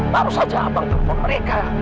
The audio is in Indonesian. baru saja abang telepon mereka